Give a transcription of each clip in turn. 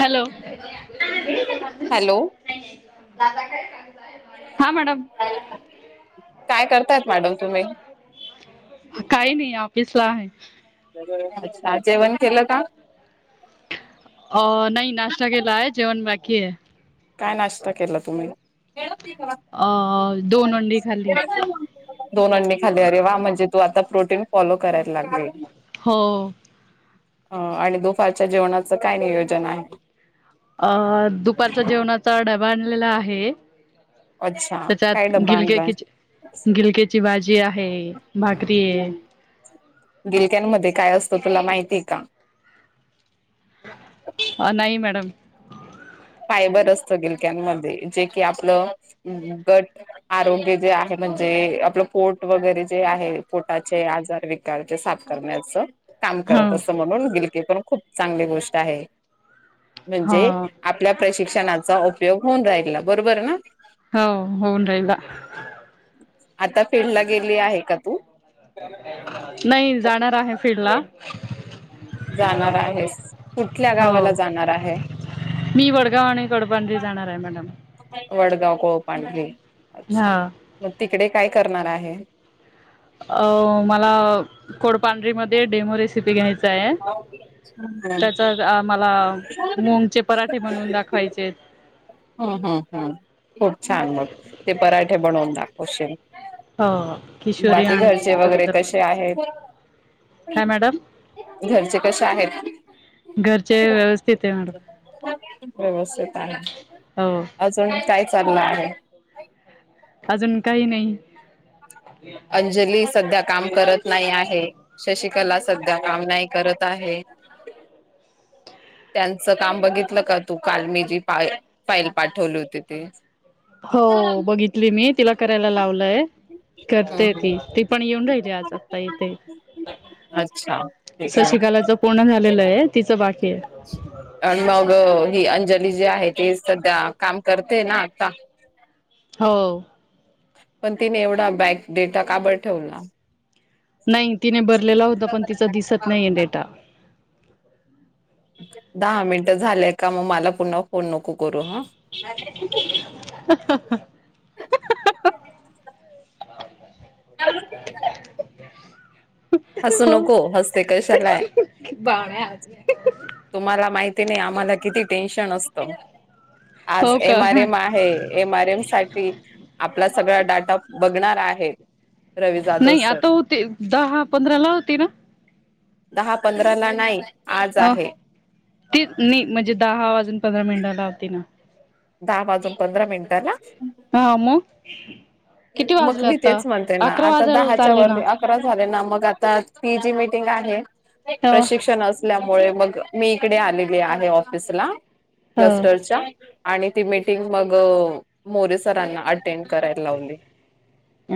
Hello hello हा madam काय करतायत मॅडम तुम्ही काही नाही ऑफिसला आहे अच्छा जेवण केलं का अ नाही नाश्ता केला आहे जेवण बाकी आहे काय नाश्ता केला तुम्ही अ दोन अंडी खाली दोन अंडी खाल्ली अरे वा म्हणजे तू आता प्रोटीन फॉलो करायला लागलीय हो अ आणि दुपारच्या जेवणाच काय नियोजन आहे अ दुपारच्या जेवणाच तर डबा आणलेला आहे. अच्छा काय त्याच्यात डब्बा गिलक्या आणलाय गिलक्याची भाजी आहे भाकरी आहे दििलक्यांमध्येध्ये काय असतो तुला माहितीय का अ नाही मॅडम बर असत गिलक्यांमध्ये जे कि आपलं गट आरोग्य जे आहे म्हणजे आपलं पोट वगैरे जे आहे पोटाचे आजार विकारचे साफ करण्याच काम हो करत असं म्हणून दिली पण खूप चांगली गोष्ट आहे हो म्हणजे आपल्या प्रशिक्षणाचा उपयोग होऊन राहिला बरोबर ना हो होऊन राल आता फील्ड ला गेली आहे का तू नाही जाणार आहे फिड ला जाणार आहेस कुठल्या हो गावाला जाणार आहे मी वडगाव आणि गडबांरी जाणार आहे मॅडम वडगाव कोळपडरी अच्छा हा मग तिकडे काय करणार आहे मला कोडपांढरी मध्ये डेमोरे हम् त्याचा मला मुंगचे पराठे म्हणून दाखवायचे हम् हम्म खूप छान मग ते पराठे बनवून दाख अश हा बाकी घरचे वगैरे कसे आहेत काय मॅडम घरचे कसे आहेत घरचे व्यवस्थित आहे मॅडम व्यवस्थित आहे हो अजून काही चालला आहे अजून काही नाही अंजली सध्या काम करत नाही आहे शशिकला सध्या काम नाही करत आहे त्यांच काम बघितलं का तू काल मी जी फ फाईल पाठवली होती तेी हो बघितली मी तिला करायला लावलंय हम्म करते ती हम्म ती पण येऊन राहिली आज आता इथे अच्छा ठीक आहे शशिकालाच पूर्ण झालेलंय तिचं बाकी आहे आणि मग ही अंजली जे आहे ते सध्या काम करते ना आता हो पण तिने एवढा बॅक डेटा काबड ठेवला नाही तिने भरलेला होता पण तिचा दिसत नाहीये डेटा दहा मिनिटं झालेय का मग मला पुन्हा को नक करू ह हसू हो नको. हसते कशालाय? तुम्हाला माहित? तिने आम्हाला किती टेन्शन असत? आज हो एम आर का एम आहे एम आर एम साठी आपला सगळ डाटा बघणार आहे. रवी जाधव नाही. सर आता होतील. दहा पंधराला होती ना? दहा पंधरा ला नाही. आज अ आहे तेच नी. म्हंजे दहा वाजून पंधरा मिनिटाला तीन, दहा वाजून पंधरा मिनिटाला? हा म, किती मग वाजले मी आता? तेच म्हणते ना अकरा आता वाजायला दहाच्या चालले ना. वरती अकरा झाले ना मग आता, ती जी मिटिंग आहे, नही. हो प्रशिक्षण असल्यामु मुळे मग, मी इकडे आलेली आहे ऑफिसला. हो [inaudible] आणि ती मीटिंग मग.. मोरे सरांना. टॅन करायला लावले.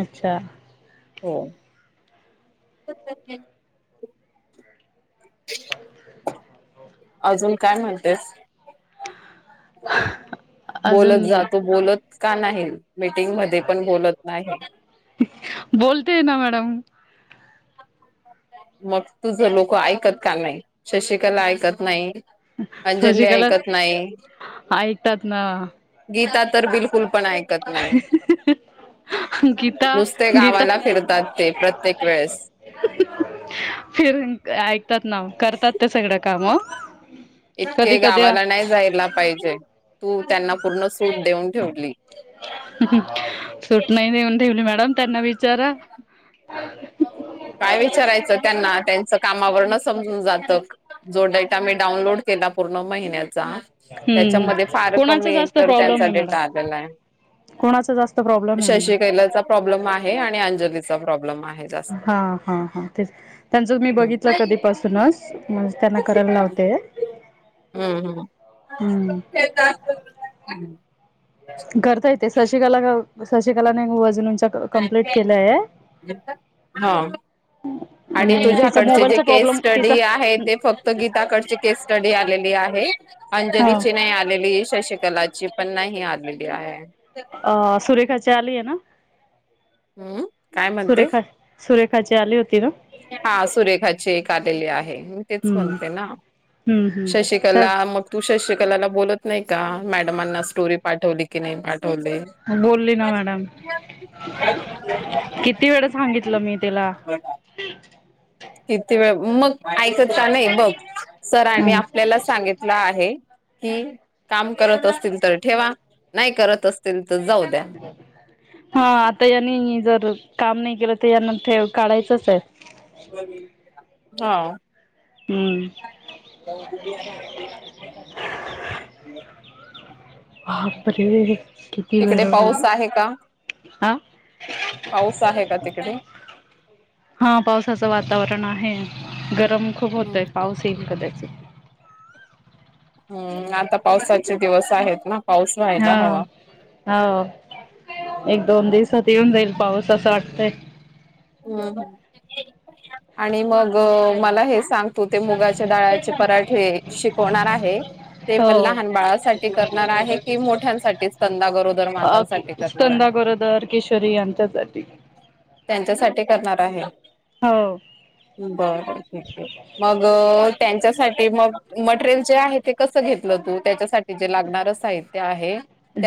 अच्छा हो. रिकामा ऑडिओ अजून काय म्हणतेस? अजून बोलत जातो. बोलत. का नाही? मीटिंग मध्ये पण बोलत नही. बोलते ना मॅडम मग तुझ लोक ऐकत का नाही? शशिकला ऐकत नाही. अंजली शशिकला ऐकत नाही. ऐकतात ना गित तर बिलकुल.. पण ऐकत नाही. गीता नुसते गीता गावाला फिरतात ते. प्रत्येक वेळेस. फिरून काय? तर ना ओ, करतात ते सगळे. का म? इतके गावाला नाही जायला पाहिजे. तू त्यांना.. पूर्ण सूट देऊन ठेवली. तन त्यांना विचारा. [unintelligible] काय विचारायचं त्यांना. त्यांचं कामावर न.. समजून जात. जो डेटा मी डाउनलोड केला पूर्ण महिन्यात. हम्म त्याच्यामध्ये हम् फार कोणाचा कमी जास्त एकतर प्रॉब्लेम त्यांचा आहे डेटा मॅडम आलेला कोणाचा जास्त आहे प्रॉब्लेम आहे शश मॅडम कैलाचा प्रॉब्लेम आहे आणि अंजली हा हा हा तेच त्यांचं मी बघितलं कधीपासूनच म्हणज त्यांना करायला लावते हम हम हम्म [unintelligible] [inaudible] करता येते सचिकला का सशिकला न वज ह आणि अ तिचा तुझ्याकडचे जे मोबाईलचा केस प्रॉब्लेम तिचा स्टडी आहे ते फक्त गीताकडची केस स्टडी आलेली आहे. हा अंजलीची नाही आलेली शशिकला ची पण नाही आलेली आहे. अ सुरेखा चाली ये ना आम् काय म्हणते, सुरेखा सुरेखाची आली होती ना हा सुरेखाची एक आलेली आहे. मी तेच हम्म म्हणते ना हम्म हम्म तर शशिकला मग तू शश कलाला बोलत नाही का मॅडमांना स्टोरी पाठवली की नाही पाठव बोलली ना मॅडम किती वेळ सांगितलं मी तिला? किती वेळ मग ऐकता नाही बघ सुरांनी आपल्याला सांगितलं आहे. कि काम करत असतील तर ठेवा नाही करत असतील तर जाऊ द्या हा आता यांनी जर काम नाही केलं तर यांन [inaudible] काढायचंच आहे [inaudible] हा हम्म [inaudible] ब बापरे किती वेळ तिकडे पाऊस आहे का हा पाऊस आहे का तिकडे हा पावसाचं वातावरण आहे. हे गरम खूप होत आहे हम्म पाऊस येईल कदा हम्म आता पावसाचे दिवस आहेत ना? पाऊस हा व्हायला हवा हा एक दोन दिस त येऊन जाईल पाऊस असं वाटतंय. हम् आणि मग मला हे सांगतो ते मुगाच्या डाळाचे पराठे शिकवणार आहे ते म हो लहान बाळासाठी करणार आहे की मोठ्यांसाठी स्कंद गरोदर मातांसाठी करणार स्कंदा आहे गरोदर किशोरी यांच्यासाठी त्यानं करणार आहे हो बर ठीक मग त्यांच्यासाठी ते म मटेरियल जे आहे ते कसं घेतलं तू त्याच्यासाठी जे लागणार साहित्य आहे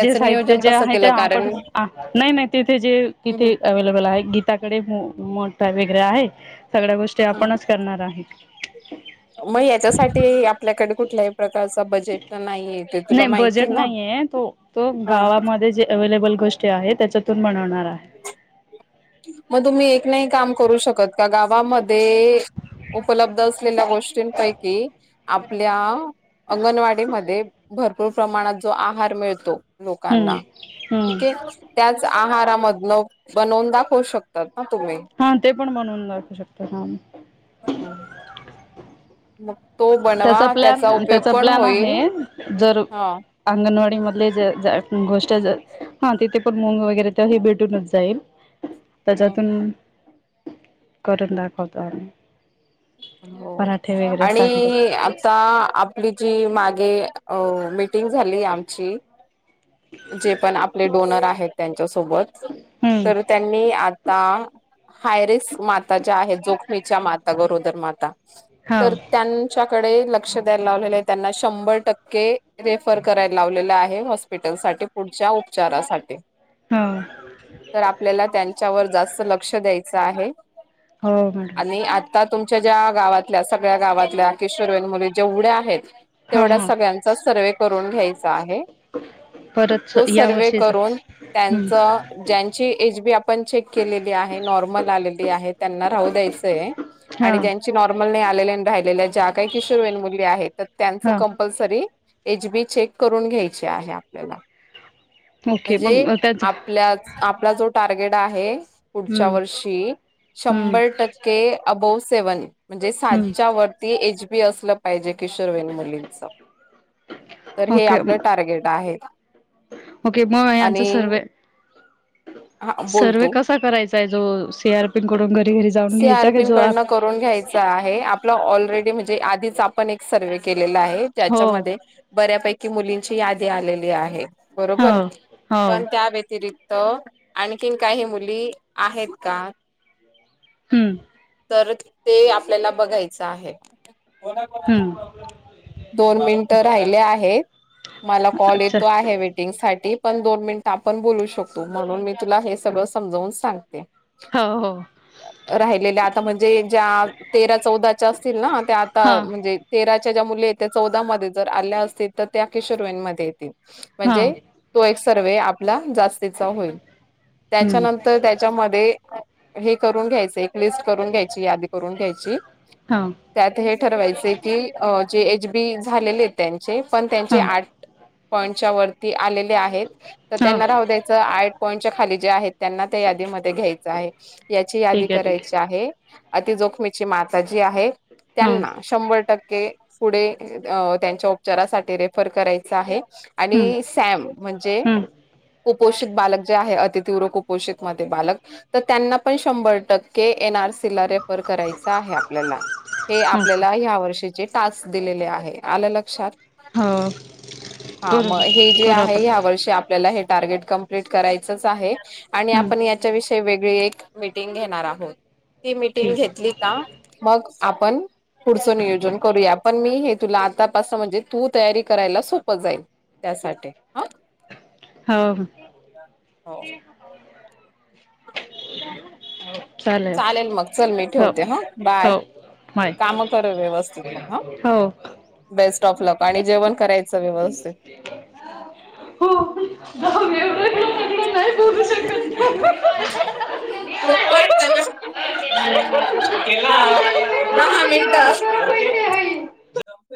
जे साहित्य नियोजन जे कसं आहे ते केलं आपण कारण नाही नाही तिथे जे तिथे अवे्लेबल आहे गीता कडे मोठ वगरे आहे सगळ्या गोष्टी आपणच करणार आहे मग याच्यासाठी आपल्याकडे कुठल्याही प्रकारच बजेट नाहीय आहे ते तुला नाही माहिती बजेट ना नाहीये तो तो हा गावामध्ये जे अवेलेबल गोष्टी आहे त्या चतून बनवणार आहे मग तुम्ही एक नाही काम करू शकत गावामध्ये उपलब्ध असलेल्या गोष्टींपैकी आपल्या अंगणवाडीमध्ये भरपूर प्रमाणात जो आहार मिळतो हम्म लोकांना हम्म ठीके त्याच आहारामधन बनवून दाखव हो शकतात ना तुम्ही हा ते पण बनवून दाखव शकत ह म त्याचा प्लॅन त्याचा प्लॅन होईल आहे जर हा अंगणवाडी म आपले जर गोष्ट जर हा तिथे पण मंग वगैरे तर हे भेटूनच जाईल त्याच्यातून हो करर्ूनंदाखत आ हो आणि आ आपली जी मागे अ झाली आमची जे पण आपले डोनर आहेत हम्म तर त्यांनी त हायरिस् माता ज्या आहेत जोखमीच्या मातावरून निर्मााता हो तर त्यांच्या कडे लक्ष द्यायला लावलेलं आहे त्यांना शंभर टक्के रेफर करायला लावलेलं आहे हॉस्पिटल साठी पुढच्या उपचारासाठी हो तर आपल्याला त्यांच्यावर जास्त लक्ष द्यायचं आहे हो मॅडम आणि आता तुमच्या ज्या गाातल्या सग्या गावातल्या आकेश मुली जेवढे आहेत हो तेवढ्या हो सगळ्यांचा सर्वे करून घ्यायचा आहे परत तो या सर्वे वर्षीच करून हम्म त्यांच ज्यांची एज बी आपण चेक केलेली आहे नॉर्मल आलेली आहे त्यांना राहू द्यायचंय हा आणि ज्यांची नॉर्मल नाही आले राहिले ज्या काही किशोर वयन मुली आहेत तर त्यांच हा कंपल्सरी एच बी चेक करून घ्यायचे आहे आपल्याला ओके म्हणजे मग त्याचा आपल्या आपला जो टार्गेट आहे पुढच्या हम्म वर्षी हम्म शंभर टक्के अबो सेव्हन म्हणजे साजच्या हम्म वती एज ी असलं पाहिजे किशोर वन मुलींच तर हे के आपलं टार्गेट आहे ओके मग यांचा आणि सर्वे हा बोल सर्व तू कसा करायचा सीर पडून सी आरपी कडन करून घ्यायच आहे आपला ऑलरेडी म्हणजे आधीच आपण एक सर्व केले आहे हो त्याच्यामध्ये बऱ्यापैकी मुली ची यादी आलेली आहे हो बरोबर हो पण त्या व्यतिरिक् त आणखीन काही मुली आहेत का हम्म तर ते आपल्याला बघायचं आहे हम्म दोन मिनिट राहिले आहेत मला कॉल अच्छा येतो आहे वेटिंग साठी पण दोन मिनिट आपण बोलू शकतो म्हणून मी तुला हे सगळं समजवून सांगते हो हो राहिलेल्या आता म्हणजे ज्या तेरा चौदाच्या असतील ना त्या हा आता म्हणजे च्या ज्या मुले य्या चौदा मध्ये जर आल्या असतील तर ते अखेशोरंमध्येध्ये येतील हा म्हणजे तो सर्व आपला जा हो हम्म त्याच्यांतर त्याच्यामध्ये हे करून घ्यायचं एक लिस्ट करून घ्यायची यादी करून घ्यायची हा त्यात हे ठरवायचे की जे एच बी झालेले त्यां. पण त्यांचे हा आठ. पॉइंटच्या वरती आलेले. हा त्यांना राहू द्याय आ पॉंटच्या खाली जे आहेत. त्यांना त्या यादीमध्ये घ्यायचं आहे. याची यादी ठीक आहे ठीक करायची आहे. अति जोखमीची माता जे आहे हा त्यांना शंभर टक्के पुढे अ त्यांच्या उपचारासाठी रेफर करायच आहे. हम्म आणि सॅम म्हणजे हम्म कपोषित बालक जे आहे अति तीव्र कुपोषित मध्ये बालक तर त्यांना पण शंभर टक्के एन आर सी ला रेफ करायचा आहे आपल्याला हे आपल्याला ह्या वर्षीचे तस्क दिलेले आहे आल्या लक्षात. हो हा करू मग हे जे करू आहे आपण ह्या वर्षी आपल्याला हे टार्गेट कं्प्लीट करायंच आहे. आणि हम्म आपण याच्याविषयी वेग व्रे एक मीटिंग घेणार आहोत. ती मिीटिंग ठीक घेतली का मग आपण पुढचं नियोजन करूया पण मी हे तुला आतापास म्हणजे तू तयारी करायला सोपं जाईल त्यासाठी ह हो. हो. चालेल मग चल मी ठेवते हा हो बाय माय काम कर व्यवस्थित मग ह बेस्ट ॉपलॉक आणि जेवण करायचं व्यवस्थित प दहा हो मिनटं.